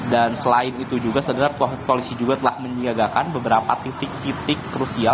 dan selain itu juga saudara polisi juga telah menyiapkan beberapa titik titik krusial